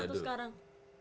mau matah itu sekarang